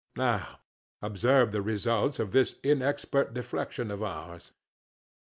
Now observe the results of this inexpert deflection of yours.